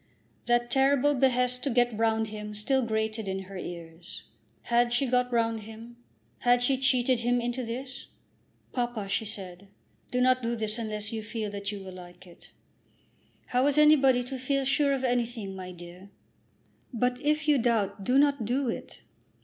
That terrible behest to "get round him" still grated on her ears. Had she got round him? Had she cheated him into this? "Papa," she said, "do not do this unless you feel sure that you will like it." "How is anybody to feel sure of anything, my dear?" "But if you doubt, do not do it."